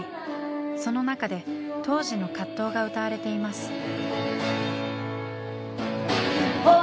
その中で当時の葛藤が歌われています。